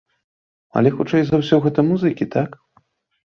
Але хутчэй за ўсё гэта музыкі, так.